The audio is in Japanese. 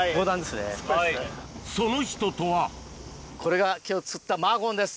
その人とはこれが今日釣ったマーゴンです。